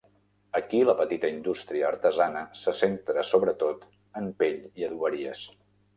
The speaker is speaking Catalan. Aquí la petita indústria artesana se centra sobretot en pell i adoberies.